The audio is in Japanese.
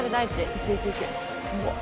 ・行け行け行け！